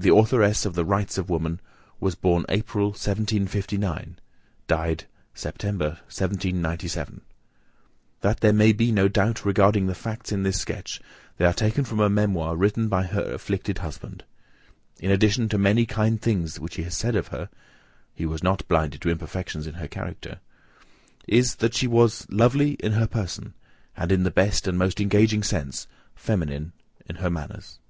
The authoress of the "Rights of Woman," was born April 1759, died September 1797. That there may be no doubt regarding the facts in this sketch, they are taken from a memoir written by her afflicted husband. In addition to many kind things he has said of her, (he was not blinded to imperfections in her character) is, that she was "Lovely in her person, and in the best and most engaging sense feminine in her manners."